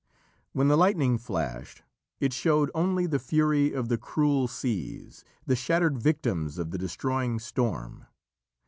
When the lightning flashed, it showed only the fury of the cruel seas, the shattered victims of the destroying storm.